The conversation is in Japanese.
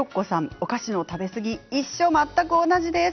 お菓子の食べ過ぎ、一緒、全く同じです。